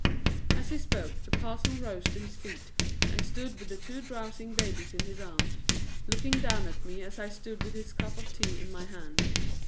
As he spoke the parson rose to his feet and stood with the two drowsing babies in his arms, looking down at me as I stood with his cup of tea in my hand.